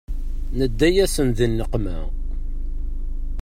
Nedda-yasen di nneqma.